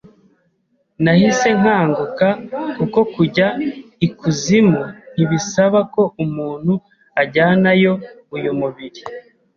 nahise nkanguka kuko kujya I kuzimu ntibisaba ko umuntu ajyanayo uyu mubiri